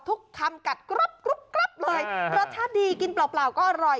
ทุกคำกัดกรับกรุ๊บกรับเลยรสชาติดีกินเปล่าเปล่าก็อร่อย